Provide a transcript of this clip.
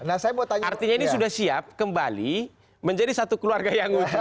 artinya ini sudah siap kembali menjadi satu keluarga yang utuh